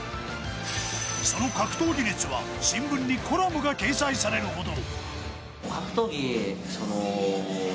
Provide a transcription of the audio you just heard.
その格闘技熱は、新聞にコラムが掲載されるほど。